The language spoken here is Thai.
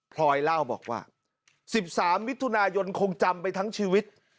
พลอยเล่าบอกว่า๑๓มิถุนายนคงจำไปทั้งชีวิต